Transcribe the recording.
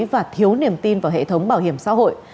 và thiếu niềm tin vào hệ thống bảo hiểm xã hội